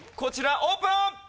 オープン！